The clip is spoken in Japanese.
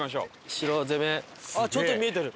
城攻めあっちょっと見えてる！